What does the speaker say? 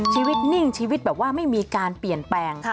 นิ่งชีวิตแบบว่าไม่มีการเปลี่ยนแปลง